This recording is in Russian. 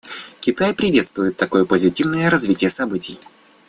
Китай приветствует такое позитивное развитие событий.